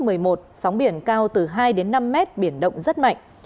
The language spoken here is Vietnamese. gió mạnh cấp một mươi một sóng biển cao từ hai đến năm mét biển động rất mạnh